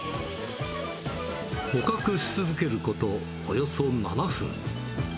捕獲し続けること、およそ７分。